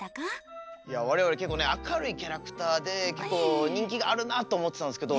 我々結構ね明るいキャラクターで結構人気があるなと思ってたんですけど。